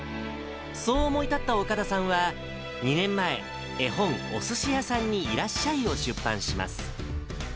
そう思い立った岡田さんは、２年前、絵本、おすしやさんにいらっしゃい！を出版します。